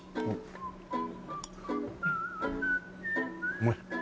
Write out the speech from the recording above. うまい。